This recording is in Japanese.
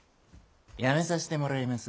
辞めさしてもらいます。